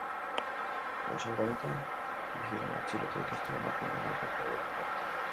Goizalde honetan bi gizon atxilotu dituzte, emakumeen aurkako delituagatik.